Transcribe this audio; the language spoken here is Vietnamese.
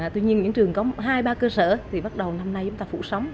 tuy nhiên những trường có hai ba cơ sở thì bắt đầu năm nay chúng ta phụ sống